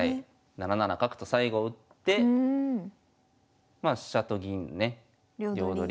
７七角と最後打ってまあ飛車と銀のね両取り。